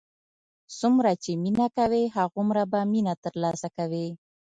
څومره چې مینه کوې، هماغومره به مینه تر لاسه کوې.